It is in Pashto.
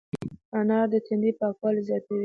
انار د تندي پاکوالی زیاتوي.